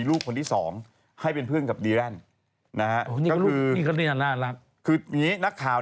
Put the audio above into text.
อันนี้ก็ชายคนสาว